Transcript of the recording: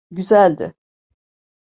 Güzeldi.